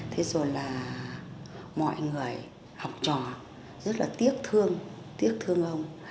thế rồi là mọi người học trò rất là tiếc thương tiếc thương ông